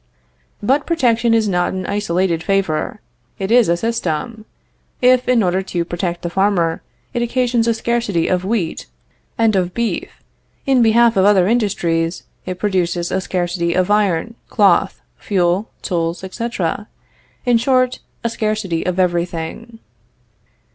But protection is not an isolated favor. It is a system. If, in order to protect the farmer, it occasions a scarcity of wheat and of beef, in behalf of other industries it produces a scarcity of iron, cloth, fuel, tools, etc. in short, a scarcity of everything.